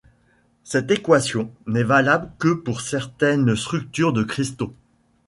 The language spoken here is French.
Cette équation n'est valable que pour certaines structures de cristaux.